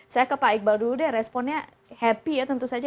saya ke pak iqbal dulu deh responnya happy ya tentu saja